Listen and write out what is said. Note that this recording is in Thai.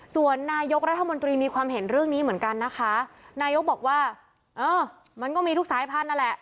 ส่วนนายกรัฐมนตรีมีความเห็นเรื่องนี้เหมือนกันนะคะนายกบอกว่าเออมันก็มีทุกสายพันธุ์นั่นแหละ